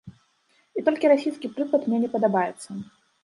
І толькі расійскі прыклад мне не падабаецца.